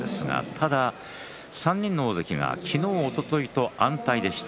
ただ３人の大関は昨日おとといと安泰でした。